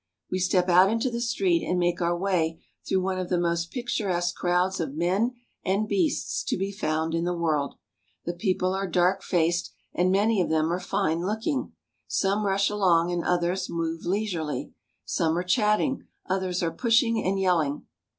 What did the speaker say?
We step out into the street and make our way through A SiiccL in Jaipur. one of the most picturesque crowds of men and beasts to be found in the world. The people are dark faced, and many of them are fine looking. Some rush along, and others move leisurely. Some are chatting; others are pushing and yelling.